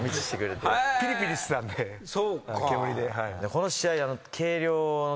この試合。